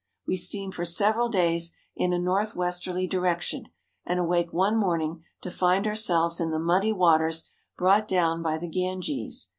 We steam for several days in a northwesterly direction and awake one morning to find ourselves in the muddy waters brought down by the Ganges.